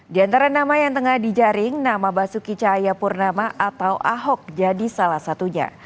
di antara nama yang tengah dijaring nama basuki cahayapurnama atau ahok jadi salah satunya